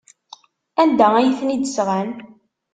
Anda ay ten-id-sɣan?